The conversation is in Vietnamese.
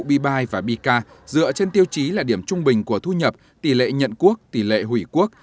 b bi và b k dựa trên tiêu chí là điểm trung bình của thu nhập tỷ lệ nhận quốc tỷ lệ hủy quốc